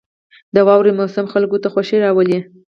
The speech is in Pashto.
• د واورې موسم خلکو ته خوښي راولي.